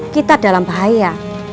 kita dalam bahaya